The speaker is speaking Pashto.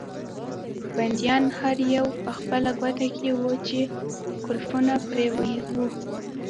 بندیان هر یو په خپله کوټه کې وو چې قلفونه پرې وو.